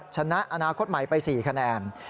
ชนะอนาคตใหม่ไป๔คะแนน